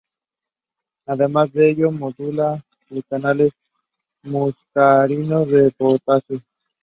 Además de ello, modula los canales muscarínicos de potasio.